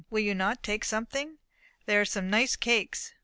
Will you not take something? There are some nice cakes."